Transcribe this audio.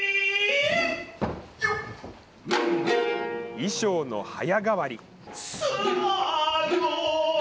衣装の早変わり。